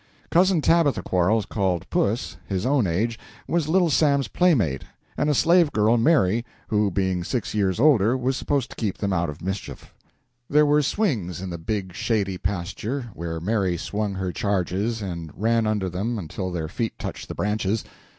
Cousin Tabitha Quarles, called "Puss," his own age, was Little Sam's playmate, and a slave girl, Mary, who, being six years older, was supposed to keep them out of mischief. There were swings in the big, shady pasture, where Mary swung her charges and ran under them until their feet touched the branches.